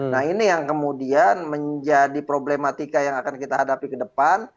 nah ini yang kemudian menjadi problematika yang akan kita hadapi ke depan